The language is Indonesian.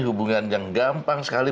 hubungan yang gampang sekali